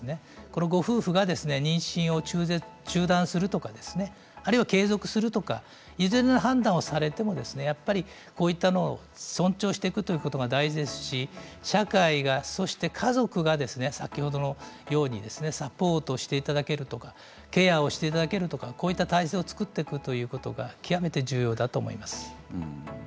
このご夫婦が妊娠を中断するとかあるいは継続するとかいずれの判断をされても尊重していくということが大事ですし、社会がそして家族が先ほどのようにサポートしていただけるとかケアをしていただけるとかこうした体制を作っておくことが極めて重要だと思います。